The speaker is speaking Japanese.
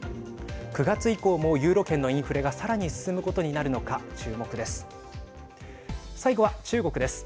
９月以降もユーロ圏のインフレがさらに進むことになるのか注目です。